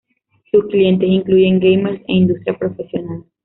Sus clientes incluyen gamers e industria profesional.